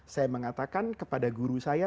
saya mengatakan kepada guru saya